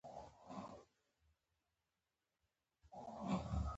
سپي په دوبي کې منډې کوي.